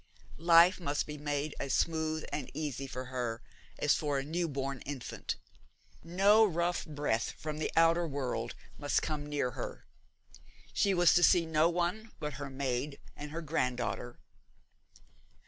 Life must be made as smooth and easy for her as for a new born infant. No rough breath from the outer world must come near her. She was to see no one but her maid and her granddaughter.